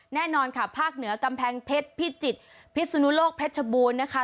แน่นอนค่ะภาคเหนือกำแพงเพชรพิจิตรพิสุนุโลกเพชรบูรณ์นะคะ